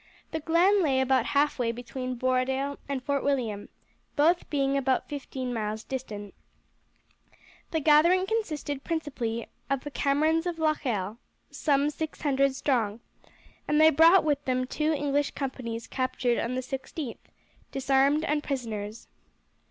The glen lay about halfway between Borodale and Fort William, both being about fifteen miles distant. The gathering consisted principally of the Camerons of Locheil, some six hundred strong, and they brought with them two English companies captured on the 16th, disarmed and prisoners.